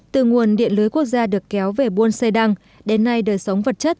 từ nguồn điện lưới quốc gia được kéo về buôn xê đăng đến nay đời sống vật chất